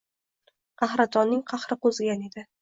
Qahratonning qahri qo‘zigan edi.